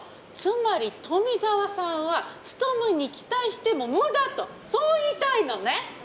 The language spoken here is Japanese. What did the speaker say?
つまり富沢さんはツトムンに期待してもムダとそう言いたいのね？